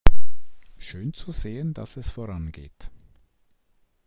Schön zu sehen, dass es voran geht.